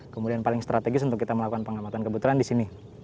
kemudian paling strategis untuk kita melakukan pengamatan kebetulan di sini